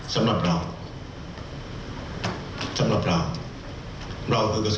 สำหรับเรากระทรวงศึกษาเราคือกคนไทย